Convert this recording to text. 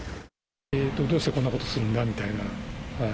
どうして、こんなことするんだみたいな。